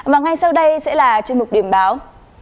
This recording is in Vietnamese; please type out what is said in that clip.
và ngay sau đây sẽ là chương trình điểm báo